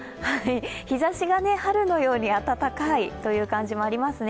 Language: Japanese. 日ざしが春のように暖かい感じもありますね。